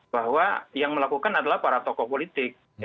bahwa yang melakukan adalah para tokoh politik